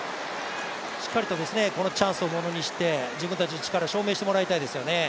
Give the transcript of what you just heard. しっかりとこのチャンスをものにして自分たちの力を証明してもらいたいですよね。